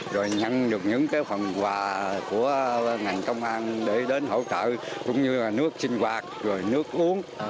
rồi nhận được những phần quà của ngành công an để đến hỗ trợ cũng như là nước sinh hoạt rồi nước uống